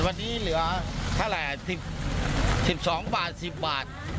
วันนี้เหลือเท่าไหร่๑๒บาท๑๐บาท